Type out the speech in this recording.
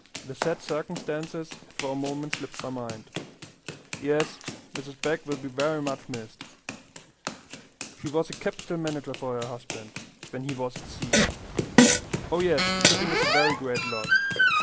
The sad circumstances had for a moment slipped my mind. Yes, Mrs. Begg will be very much missed. She was a capital manager for her husband when he was at sea. Oh yes, shipping is a very great loss."